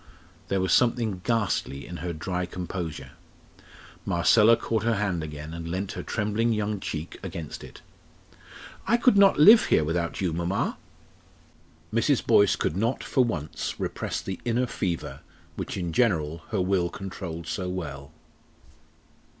There was something ghastly in her dry composure. Marcella caught her hand again and leant her trembling young cheek against it. "I could not live here without you, mamma!" Mrs. Boyce could not for once repress the inner fever which in general her will controlled so well.